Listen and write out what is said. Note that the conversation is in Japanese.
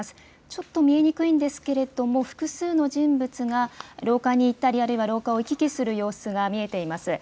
ちょっと見えにくいんですけれども、複数の人物が廊下にいたり、あるいは廊下を行き来する様子が見えています。